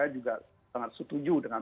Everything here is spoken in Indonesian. juga sangat setuju dengan